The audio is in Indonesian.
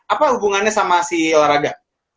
apa hubungannya sama si olahraga